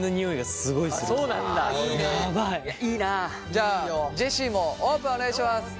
じゃあジェシーもオープンお願いします。